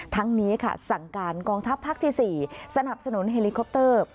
ทั้งนี้ค่ะสั่งการกองทัพภาคที่๔สนับสนุนเฮลิคอปเตอร์